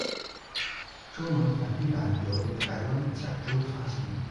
中文繁体版由台湾角川发行。